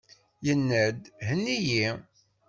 Yenna-d: Henni-iyi!